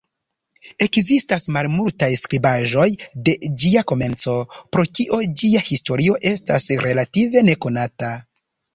Ekzistas malmultaj skribaĵoj de ĝia komenco, pro kio ĝia historio estas relative nekonata.